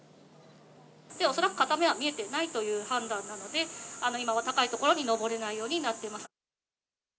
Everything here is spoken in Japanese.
恐らく片目は見えていないという判断なので、今は高い所に登れないようになってます。